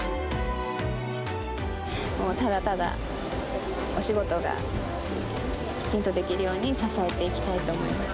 もうただただ、お仕事がきちんとできるように、支えていきたいと思います。